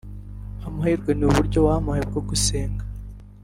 amahirwe n’uburyo wampaye bwo gusenga